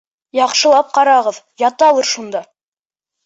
Яҡшылап ҡарағыҙ, яталыр шунда!